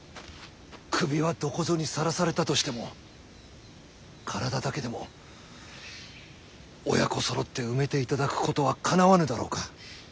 首はどこぞにさらされたとしても体だけでも親子そろって埋めていただくことはかなわぬだろうか。